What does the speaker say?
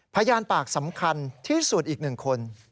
พยานปากสำคัญที่สุดอีก๑คน